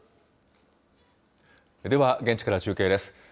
では、現地から中継です。